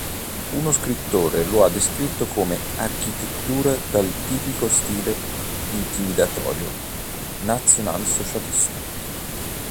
Uno scrittore lo ha descritto come "architettura dal tipico stile intimidatorio nazionalsocialista".